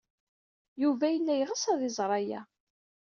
Yuba yella yeɣs ad iẓer aya.